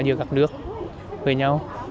giữa các nước với nhau